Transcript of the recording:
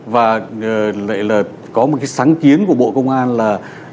và lại là có một cái sáng kiến của bộ công an là